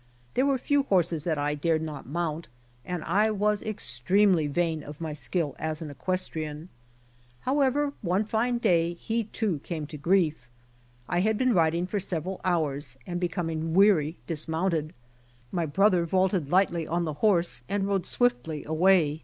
There were few horses that I dared not mount, and I was extremely vain of my skill as an equestrienne. However, one fine day. he too, came to grief. I had been riding for several hours and becoming weary dismounted. My brother vaulted lightly on the horse and rode swiftly away.